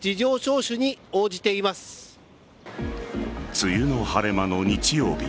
梅雨の晴れ間の日曜日。